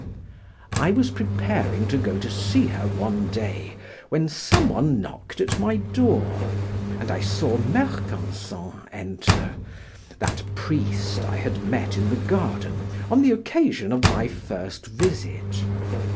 I was preparing to go to see her one day when some one knocked at my door and I saw Mercanson enter, that priest I had met in the garden on the occasion of my first visit.